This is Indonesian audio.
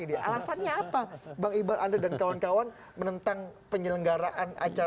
alasannya apa bang iqbal anda dan kawan kawan menentang penyelenggaraan acara imf dan world bank ini sebenarnya